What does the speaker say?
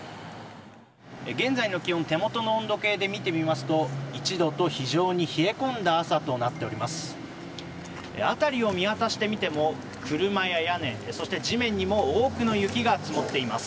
現在の気温手元の温度計で見てみますと１度と非常に冷え込んだ朝となっております。